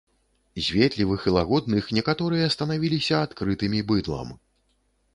З ветлівых і лагодных некаторыя станавіліся адкрытымі быдлам.